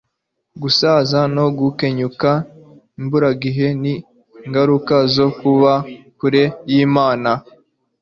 gusaza no gukenyuka imburagihe ni ingaruka zo kuba kure y'imana